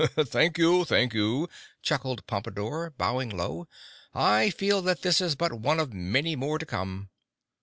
"Thank you! Thank you!" chuckled Pompadore, bowing low. "I feel that this is but one of many more to come!"